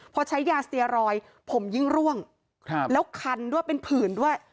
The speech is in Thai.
พอใช้ยาสเตียรอยผมยิ่งร่วงแล้วคันด้วยเป็นผื่นด้วย